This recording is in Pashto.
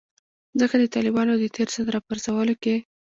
ځکه د طالبانو د تیر ځل راپرځولو کې